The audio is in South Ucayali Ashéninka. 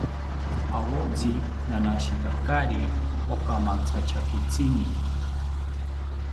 Awotsi nanashitantakari okamanchakitzini